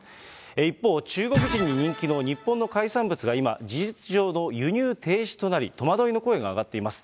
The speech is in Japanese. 一方、中国人に人気の日本の海産物が今、事実上の輸入停止となり、戸惑いの声が上がっています。